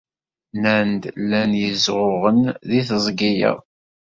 Nnan-d llan yezɣuɣen deg teẓgi-a.